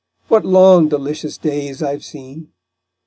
what long delicious days I've seen!